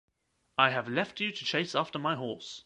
I have left you to chase after my horse.